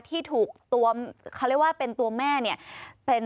ที่ถูกตัวเขาเรียกว่าเป็นตัวแม่เนี่ย